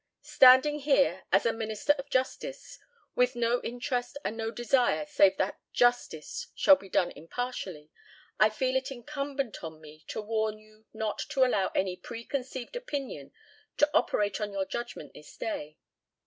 Standing here as a minister of justice; with no interest and no desire save that justice shall be done impartially, I feel it incumbent on me to warn you not to allow any preconceived opinion to operate on your judgment this day.